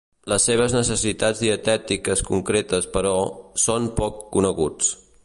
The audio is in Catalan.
Les seves necessitats dietètiques concretes però, són poc coneguts.